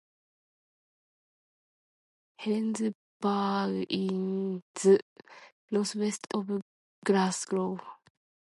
Helensburgh is north-west of Glasgow.